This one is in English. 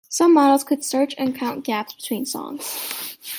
Some models could search and count gaps between songs.